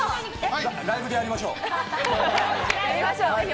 ライブで会いましょう。